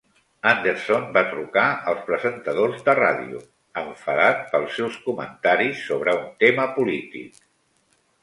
Anderson va trucar els presentadors de ràdio, enfadat pels seus comentaris sobre un tema polític.